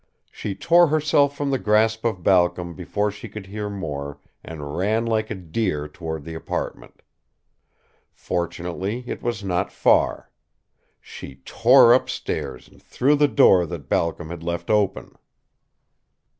She tore herself from the grasp of Balcom before she could hear more and ran like a deer toward the apartment. Fortunately, it was not far. She tore up stairs and through the door that Balcom had left open.